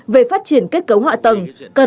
về phát triển kết cấu hạ tầng